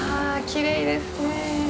きれいですね。